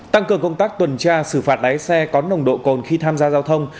tăng cường công tác tuần tra xử phạt lái xe có nồng độ cồn khi tham gia giao thông